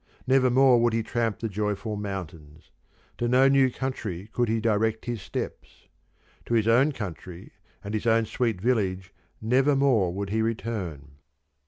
Nevermore would he tramp the joyful mountains. To no new country could he direct his steps. To his own country and his own sweet village nevermore would he return.